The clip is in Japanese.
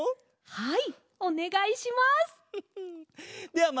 はい！